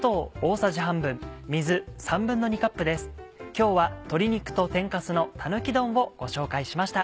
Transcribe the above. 今日は「鶏肉と天かすのたぬき丼」をご紹介しました。